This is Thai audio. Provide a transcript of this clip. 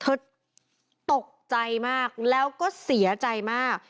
ตกใจมากแล้วก็เสียใจมาก